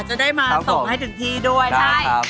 จะได้มาส่งให้ถึงที่ด้วยใช่